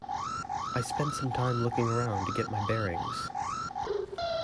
I spent some time looking around to get my bearings.